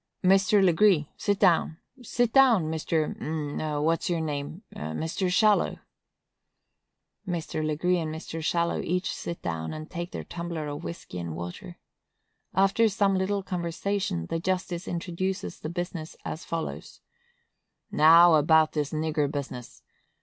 Mr. Legree, sit down; sit down, Mr.—a' what's your name?—Mr. Shallow. Mr. Legree and Mr. Shallow each sit down, and take their tumbler of whiskey and water. After some little conversation, the justice introduces the business as follows: "Now, about this nigger business.